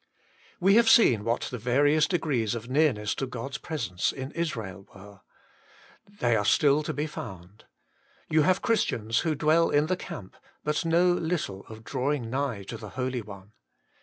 We have seen what the various degrees of nearness to God's Presence in Israel were. They are still to be found. You have Christians who dwell in the camp, but know little of drawing nigh to the Holy One.